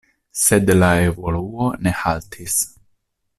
Sed la evoluo ne haltis.